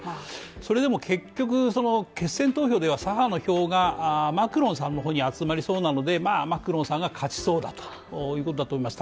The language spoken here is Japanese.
それでも結局、決選投票では左派の票がマクロンさんの方に集まりそうなのでマクロンさんが勝ちそうだということだと思います。